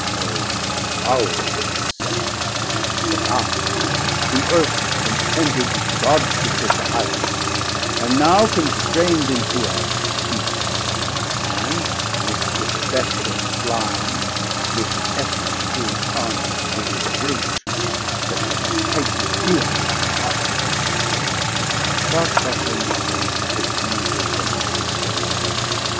O foul descent! that I who erst contended With Gods to sit the highest, am now constraind Into a Beast, and mixt with bestial slime, This essence to incarnate and imbrute, That to the hight of Deitie aspir'd; But what will not Ambition and Revenge Descend to?